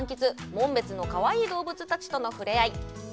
紋別のかわいい動物たちとの触れ合い。